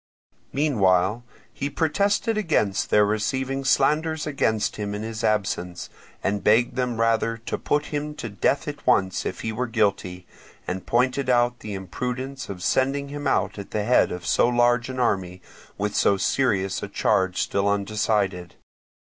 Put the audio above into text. Meanwhile he protested against their receiving slanders against him in his absence, and begged them rather to put him to death at once if he were guilty, and pointed out the imprudence of sending him out at the head of so large an army, with so serious a charge still undecided.